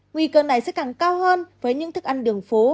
nguy cơ này sẽ càng cao hơn với những thức ăn đường phố